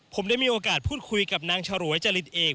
ผมได้มีโอกาสพูดคุยกับนางฉรวยจริตเอก